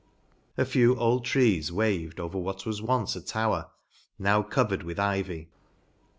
A few old trees waved over what was once a tower, now covered with ivy.